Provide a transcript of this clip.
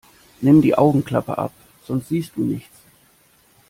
Nimm die Augenklappe ab, sonst siehst du nichts!